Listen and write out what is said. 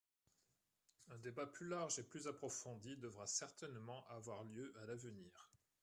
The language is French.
Un débat plus large et plus approfondi devra certainement avoir lieu à l’avenir.